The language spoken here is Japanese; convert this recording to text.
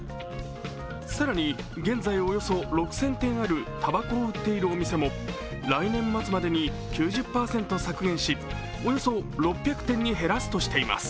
更に、現在およそ６０００店あるたばこを売っているお店も来年末までに９０％削減しおよそ６００店に減らすとしています